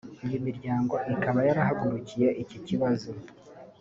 Iyi miryango ikaba yarahagurukiye iki kibazo